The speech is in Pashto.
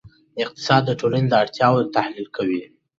اقتصاد د ټولنې د اړتیاوو تحلیل کوي.